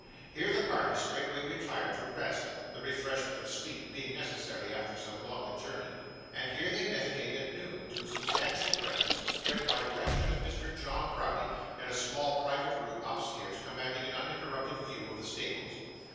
Here, the party straightway retired to rest; the refreshment of sleep being necessary after so long a journey; and here they met again about noon, to a substantial breakfast, spread by direction of Mr. John Browdie, in a small private room upstairs commanding an uninterrupted view of the stables.